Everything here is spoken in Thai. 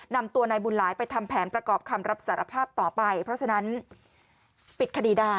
นำตัวนายบุญหลายไปทำแผนประกอบคำรับสารภาพต่อไปเพราะฉะนั้นปิดคดีได้